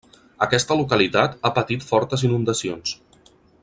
Aquesta localitat ha patit fortes inundacions.